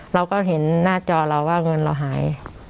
เราก็เห็นหน้าจอเราว่าเงินเราหาย